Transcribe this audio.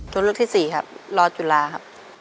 ตัวเลือกที่สี่ครับรอจุฬาครับ